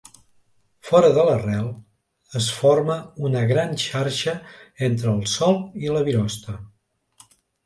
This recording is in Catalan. Fora de l’arrel es forma una gran xarxa entre el sòl i la virosta.